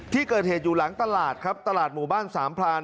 ที่เกิดเหตุอยู่หลังตลาดครับตลาดหมู่บ้านสามพราน